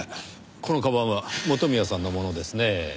この鞄は元宮さんのものですねぇ。